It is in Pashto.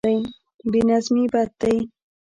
بې نظمي بد دی.